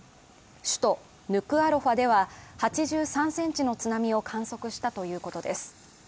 首都ヌクアロファでは８３センチの津波を観測したということです。